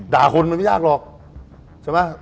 มันไม่ยากหรอกใช่ไหม